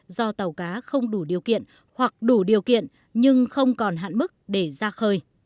do tàu cá không đủ điều kiện hoặc đủ điều kiện nhưng không còn hạn mức để ra khơi